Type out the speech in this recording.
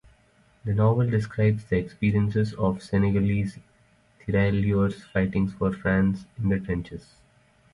The novel describes the experiences of Senegalese Tirailleurs fighting for France in the trenches.